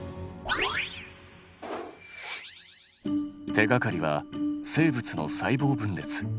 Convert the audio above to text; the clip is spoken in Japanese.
手がかりは生物の細胞分裂。